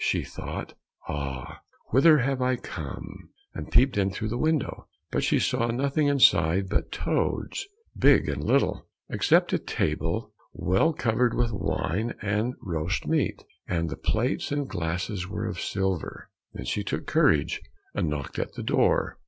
She thought, "Ah, whither have I come," and peeped in through the window, but she saw nothing inside but toads, big and little, except a table well covered with wine and roast meat, and the plates and glasses were of silver. Then she took courage, and knocked at the door.